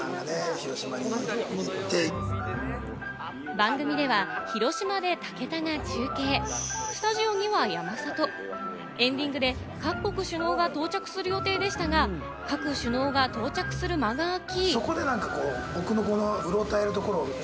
番組では広島で武田が中継、スタジオには山里、エンディングで各国首脳が到着する予定でしたが、各首脳が到着する間が空き。